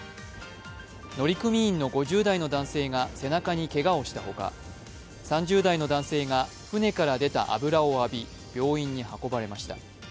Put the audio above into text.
乗組員の５０代の男性が背中にけがをしたほか、３０代の男性が船から出た油を浴び病院に運ばれました。